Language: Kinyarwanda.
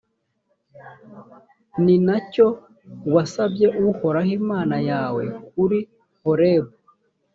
ni na cyo wasabye uhoraho imana yawe kuri horebu,